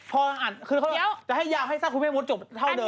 พออ่านคือเขาจะให้ยาวให้สักคุณแม่มดจบเท่าเดิ